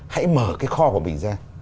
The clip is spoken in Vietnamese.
hãy mở cái kho của mình ra